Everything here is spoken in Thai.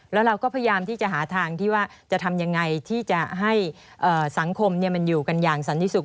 แล้วเราก็พยายามที่จะหาทางที่ว่าจะทำยังไงที่จะให้สังคมมันอยู่กันอย่างสันติสุข